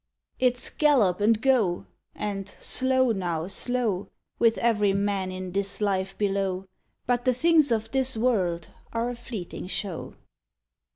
_It's "Gallop and go!" and "Slow, now, slow!" With every man in this life below But the things of this world are a fleeting show.